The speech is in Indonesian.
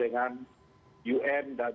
dengan negara negara lain